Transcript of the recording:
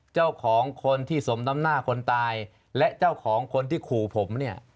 เจ้าของคนที่สมน้ำหน้าคนตายและเจ้าของคนที่ขู่ผมเนี่ย